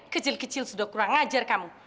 kecil kecil sudah kurang ngajar kamu